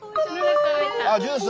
ジュース。